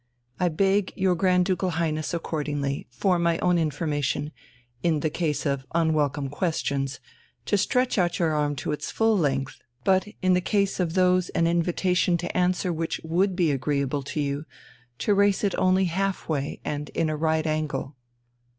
I beg your Grand Ducal Highness accordingly, for my own information, in the case of unwelcome questions, to stretch out your arm to its full length, but in the case of those an invitation to answer which would be agreeable to you, to raise it only half way and in a right angle."